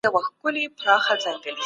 د ځان باور د بریا لار پرانیزي.